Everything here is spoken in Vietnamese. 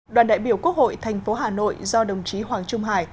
đoàn đại biểu quốc hội tp hà nội do đồng chí hoàng trung hải